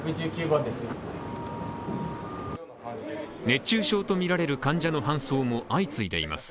熱中症とみられる患者の搬送も相次いでいます。